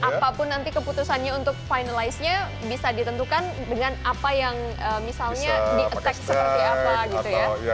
apapun nanti keputusannya untuk finalise nya bisa ditentukan dengan apa yang misalnya di attack seperti apa gitu ya